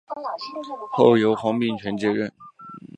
后由黄秉权接任。